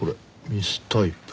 ミスタイプ？